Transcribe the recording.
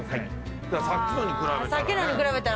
さっきのに比べたらね。